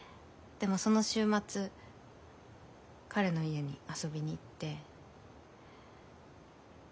でもその週末彼の家に遊びに行って。